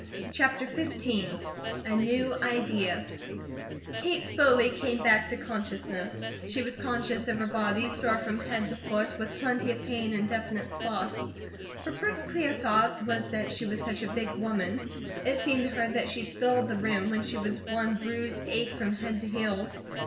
CHAPTER XV A NEW IDEA KATE slowly came back to consciousness. She was conscious of her body, sore from head to foot, with plenty of pain in definite spots. Her first clear thought was that she was such a big woman; it seemed to her that she filled the room, when she was one bruised ache from head to heels.